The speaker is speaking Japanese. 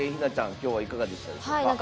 きょうはいかがでしたでしょうか。